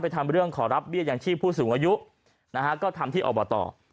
ทำเรื่องขอรับเบี้ยอย่างชีพผู้สูงอายุนะฮะก็ทำที่อบต